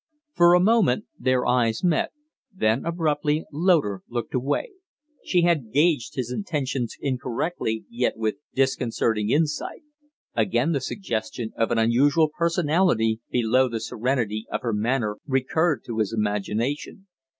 For a moment their eyes met, then abruptly Loder looked away. She had gauged his intentions incorrectly, yet with disconcerting insight. Again the suggestion of an unusual personality below the serenity of her manner recurred to his imagination.